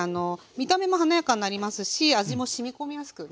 見た目も華やかになりますし味もしみ込みやすくなります。